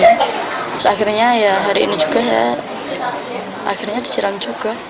terus akhirnya ya hari ini juga ya akhirnya disirang juga